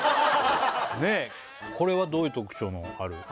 ねえこれはどういう特徴のある？